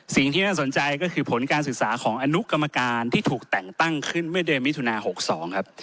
สิ่งที่น่าสนใจก็คือผลการศึกษาของอนุกรรมการที่ถูกแต่งตั้งขึ้นเมื่อเดือนมิถุนา๖๒ครับ